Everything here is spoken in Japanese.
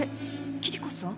キリコさん？